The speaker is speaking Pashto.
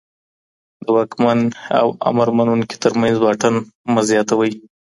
د واکمن او امرمنونکي ترمنځ واټن مه زياتوئ.